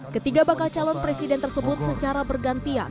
ketiga bakal calon presiden tersebut secara bergantian